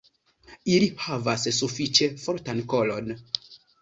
Ili havas sufiĉe fortan kolon.